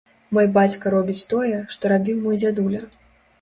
Мой бацька робіць тое, што рабіў мой дзядуля.